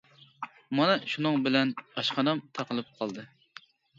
مانا شۇنىڭ بىلەن ئاشخانام تاقىلىپ قالدى.